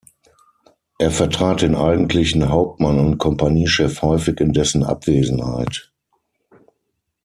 Er vertrat den eigentlichen Hauptmann und Kompaniechef häufig in dessen Abwesenheit.